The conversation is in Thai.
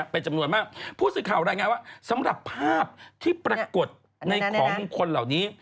เป็นจำนวนมากพูดสิทธิ์ข่าวอะไรไงว่าสำหรับภาพที่ปรากฏในของคนเหล่านี้